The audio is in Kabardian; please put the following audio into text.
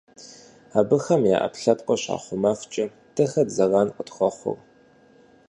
Абыхэм я Ӏэпкълъэпкъыр щахъумэфкӀэ, дэ хэт зэран къытхуэхъур?